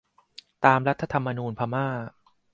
ตามรัฐธรรมนูญพม่า